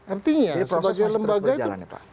artinya proses masih terus berjalan ya pak